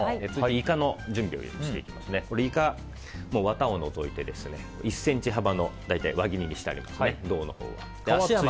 イカのワタを除いて１ｃｍ幅の輪切りにしてあります。